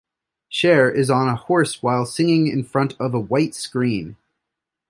Cher is on a horse while singing in front of a white screen.